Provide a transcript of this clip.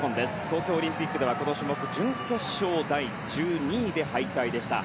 東京オリンピックではこの種目準決勝第１２位で敗退でした。